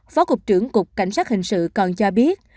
phó cục trưởng cục cảnh sát hình sự còn cho biết